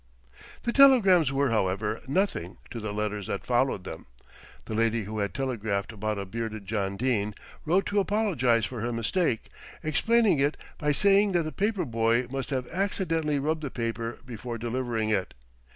The telegrams were, however, nothing to the letters that followed them. The lady who had telegraphed about a bearded John Dene, wrote to apologise for her mistake, explaining it by saying that the paper boy must have accidentally rubbed the paper before delivering it.